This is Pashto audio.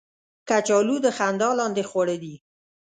کچالو د خندا لاندې خواړه دي